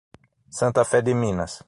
Santa Fé de Minas